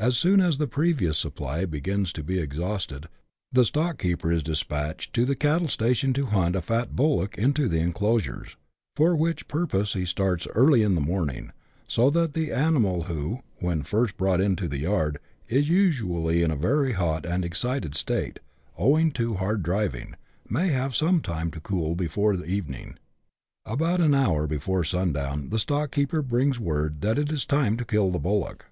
As soon as the previous supply begins to be exhausted, the stockkeeper is dispatched to the cattle station to hunt a fat bullock into the enclosures, for which purpose he starts early in the morning, so that the animal, who, when first brought into the yard, is usually in a very hot and excited state, owing to hard driving, may have some time to cool before evening. About an hour before sundown the stockkeeper brings word that it is time to kill the bullock.